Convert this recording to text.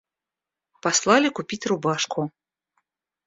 Послали купить рубашку.